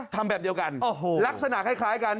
ทำแบบเดียวกันลักษณะคล้ายกัน